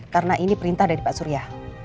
karena ini perintah dari pak surya